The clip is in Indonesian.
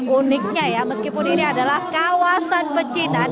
uniknya ya meskipun ini adalah kawasan mecinan